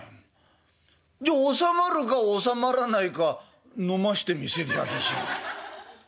じゃあおさまるかおさまらないか飲ましてみせりゃいいじゃないか」。